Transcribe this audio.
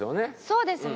そうですね。